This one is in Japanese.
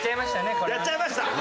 これは。やっちゃいました。